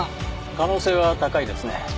可能性は高いですね。